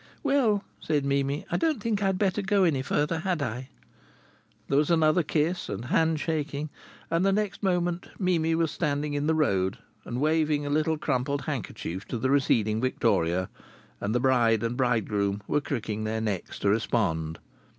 "Well," said Mimi, "I don't think I'd better go any further, had I?" There was another kiss and hand shaking, and the next moment Mimi was standing in the road and waving a little crumpled handkerchief to the receding victoria, and the bride and bridegroom were cricking their necks to respond.